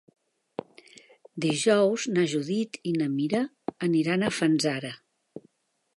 Dijous na Judit i na Mira aniran a Fanzara.